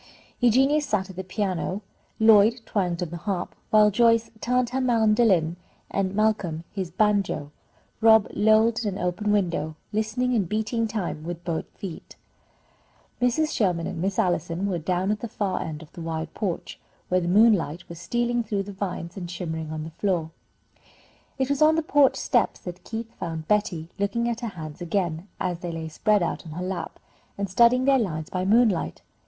Eugenia sat at the piano, Lloyd twanged on the harp, while Joyce tuned her mandolin and Malcolm his banjo. Rob lolled in an open window, listening, and beating time with both feet. Mrs. Sherman and Miss Allison were down at the far end of the wide porch, where the moonlight was stealing through the vines and shimmering on the floor. It was on the porch steps that Keith found Betty looking at her hands again, as they lay spread out on her lap, and studying their lines by moonlight.